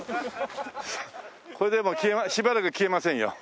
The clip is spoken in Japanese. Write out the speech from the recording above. これでもうしばらく消えませんよ。